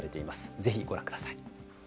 ぜひご覧ください。